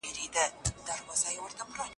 دا به څوک وي چي لا پايي